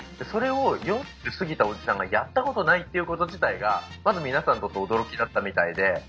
それを４０過ぎたおじさんがやったことないっていうこと自体がまず皆さんにとって驚きだったみたいで。